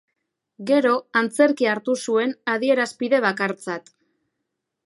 Gero, antzerkia hartu zuen adierazpide bakartzat.